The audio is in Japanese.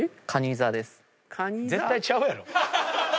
絶対ちゃうやろ。